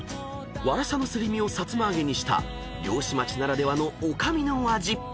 ［わらさのすり身をさつま揚げにした漁師町ならではの女将の味］